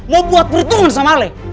mau buat perhitungan sama lo